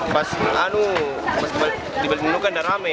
pas di nunu kan udah ramai